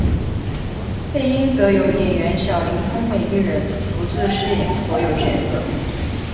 配音则由演员小林聪美一人独自饰演所有角色。